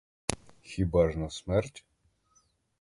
Хіба ж на смерть?